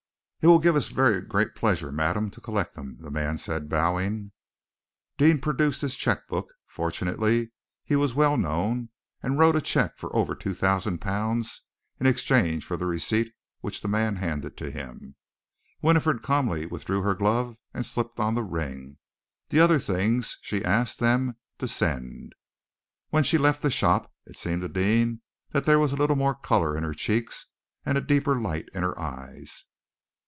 "It will give us very great pleasure, madam, to collect them," the man said, bowing. Deane produced his cheque book fortunately, he was well known and wrote a cheque for over two thousand pounds in exchange for the receipt which the man handed to him. Winifred calmly withdrew her glove and slipped on the ring. The other things she asked them to send. When she left the shop, it seemed to Deane that there was a little more color in her cheeks and a deeper light in her eyes.